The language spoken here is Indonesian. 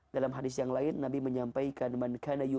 haram diputihkan untuk pekerjaan mahasiswa ya